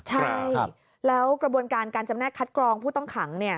ใช่แล้วกระบวนการการจำแนกคัดกรองผู้ต้องขัง